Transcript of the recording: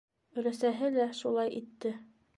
Өләсәһе лә шулай итте.